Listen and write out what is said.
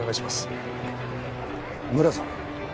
村さん。